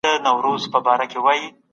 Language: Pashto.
تاسو به د خپل ذهن له ګډوډۍ څخه خلاصون مومئ.